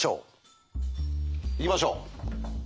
行きましょう。